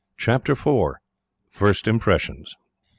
Chapter 4: First Impressions.